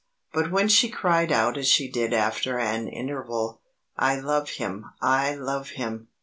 But when she cried out as she did after an interval, "I love him! I love him!"